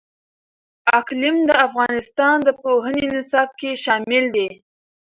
اقلیم د افغانستان د پوهنې نصاب کې شامل دي.